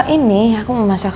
ini aku mau masak